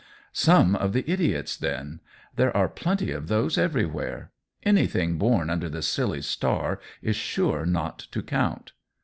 " Some of the idiots, then ! There are plenty of those everywhere. Anything born under that silly star is sure not to count."